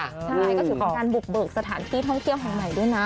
ใช่ก็ถือเป็นการบุกเบิกสถานที่ท่องเที่ยวแห่งใหม่ด้วยนะ